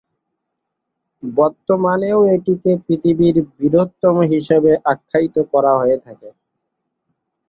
বর্তমানেও এটিকে পৃথিবীর বৃহত্তম হিসেবে আখ্যায়িত করা হয়ে থাকে।